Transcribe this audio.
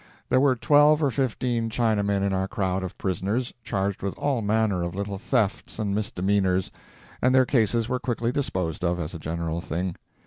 There were twelve or fifteen Chinamen in our crowd of prisoners, charged with all manner of little thefts and misdemeanors, and their cases were quickly disposed of, as a general thing.